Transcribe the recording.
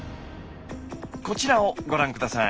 こちらをご覧下さい。